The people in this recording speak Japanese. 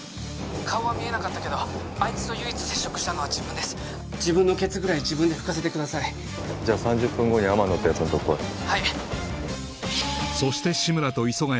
☎顔は見えなかったけどあいつと唯一接触したのは自分です自分のケツぐらい自分で拭かせてくださいじゃ３０分後に天野ってやつのとこ来い☎はいそして志村と磯ヶ